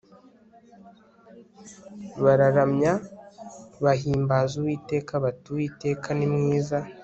bararamya, bahimbaza uwiteka bati 'uwiteka ni mwiza